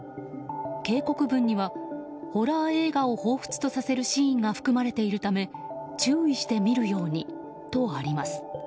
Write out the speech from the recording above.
警告文にはホラー映画をほうふつとさせるシーンが含まれているため注意して見るようにとあります。